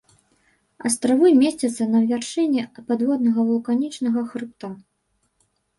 Астравы месцяцца на вяршыні падводнага вулканічнага хрыбта.